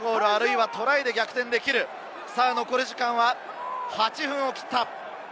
残り時間は８分を切った。